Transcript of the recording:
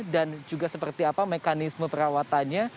juga seperti apa mekanisme perawatannya